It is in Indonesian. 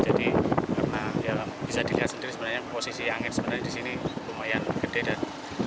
jadi karena ya bisa dilihat sendiri sebenarnya posisi angin sebenarnya di sini lumayan gede dan